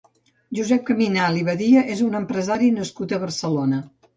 Josep Caminal i Badia és un empresari nascut a Barcelona.